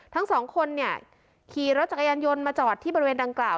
ทั้งสองคนเนี่ยขี่รถจักรยานยนต์มาจอดที่บริเวณดังกล่าว